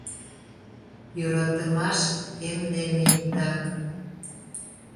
Йӧратымаш — эм дене иктак.